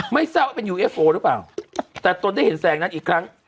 ไม่ทราบว่าเป็นยูเอฟโอหรือเปล่าแต่ตนได้เห็นแสงนั้นอีกครั้ง